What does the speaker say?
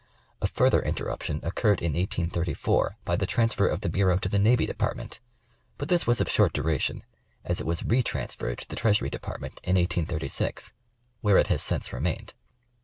A further interruption occurred in .1834 by the transfer of the bureau to the Navy Department, but this was of short duration, as it was re transferred to the Treasury Dej)artment in 1836, where it has since remained.